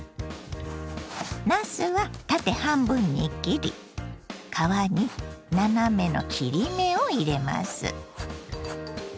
なすは縦半分に切り皮に斜めの切り目を入れます。